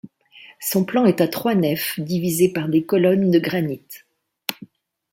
Son plan est à trois nefs divisées par des colonnes de granite.